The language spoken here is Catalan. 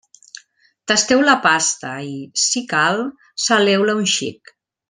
Tasteu la pasta i, si cal, saleu-la un xic.